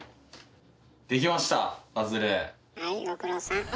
はいご苦労さん。